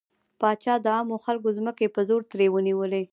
پاچا د عامو خلکو ځمکې په زور ترې ونيولې.